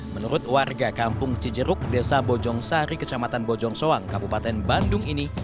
menurut warga kampung cijeruk desa bojong sari kecamatan bojong soang kabupaten bandung ini